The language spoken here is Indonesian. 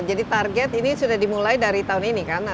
target ini sudah dimulai dari tahun ini kan